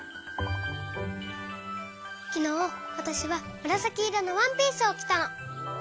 きのうわたしはむらさきいろのワンピースをきたの。